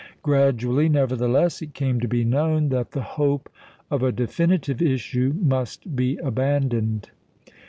Gradually, nevertheless, it came to be known that the hope of a definitive issue must be abandoned.